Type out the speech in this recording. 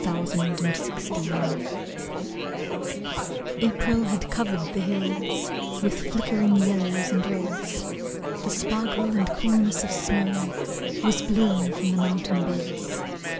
Azure and Gold April had covered the hills With flickering yellows and reds, The sparkle and coolness of snow Was blown from the mountain beds.